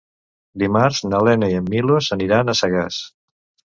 Dimarts na Lena i en Milos aniran a Sagàs.